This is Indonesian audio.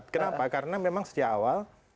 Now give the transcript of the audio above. kenapa karena memang sejak awal